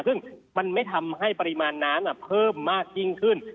ซึ่งมันไม่ทำให้ปริมาณน้ำเพิ่มมากยิ่งขึ้น